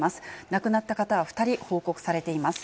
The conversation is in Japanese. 亡くなった方は２人報告されています。